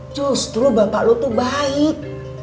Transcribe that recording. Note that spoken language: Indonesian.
justru bapak lo tuh baik